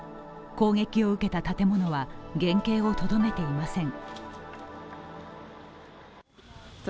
攻撃を受けた建物は原形をとどめていません。